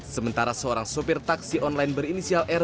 sementara seorang sopir taksi online berinisial r